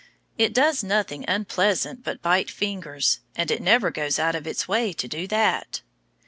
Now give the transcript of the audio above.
It does nothing unpleasant but bite fingers, and it never goes out of its way to do that.